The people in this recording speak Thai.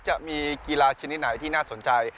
จะมีกีฬาชนิดไหนที่น่าสนใจ